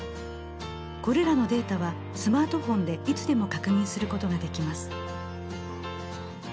これらのデータはスマートフォンでいつでも確認することができます。